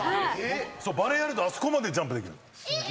バレーやるとあそこまでジャンプできる。